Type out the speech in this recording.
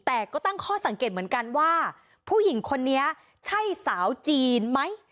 แต่ก็ตั้งข้อสังเกตเหมือนกันว่าผู้หญิงคนนี้ใช่สาวจีนไหม